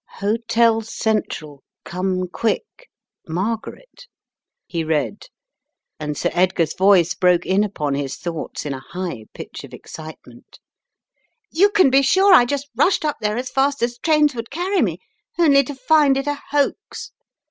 "Hotel Central, come quick. Margaret," he read and Sir Edgar's voice broke in upon his thoughts im a high pitch of excitement: "You can be sure I just rushed up there as fast as trains would carry me — only to find it a hoax.